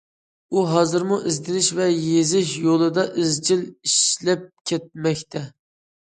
ئۇ ھازىرمۇ ئىزدىنىش ۋە يېزىش يولىدا ئىزچىل ئىشلەپ كەلمەكتە.